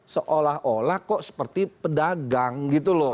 seolah olah kok seperti pedagang gitu loh